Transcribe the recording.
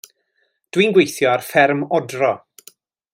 Dw i'n gweithio ar ffarm odro.